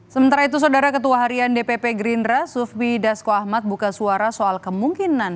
sementara itu saudara ketua harian dpp gerindra sufmi dasko ahmad buka suara soal kemungkinan